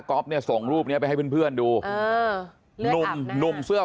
เนี่ยส่งรูปเนี้ยไปให้เพื่อนเพื่อนดูเออหนุ่มหนุ่มเสื้อ